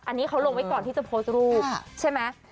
อันนี้เขาลงไว้ก่อนที่จะโพสต์รูปใช่ไหม